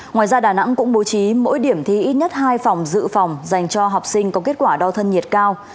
ngoài ra đà nẵng cũng bố trí mỗi điểm thi ít nhất hai phòng dự phòng dành cho học sinh có kết quả đo thân nhiệt cao